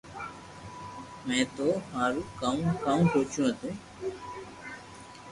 مي ٿو ھارو ڪاو ڪاو سوچيو ھتو